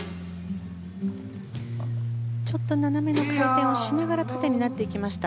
ちょっと斜めの回転をしながら縦になっていきました。